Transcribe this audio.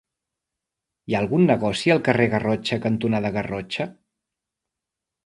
Hi ha algun negoci al carrer Garrotxa cantonada Garrotxa?